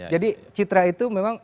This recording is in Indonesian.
jadi citra itu memang